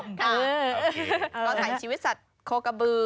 ก็ถ่ายชีวิตสัตว์โคกะบือ